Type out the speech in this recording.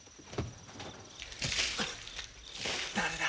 誰だ？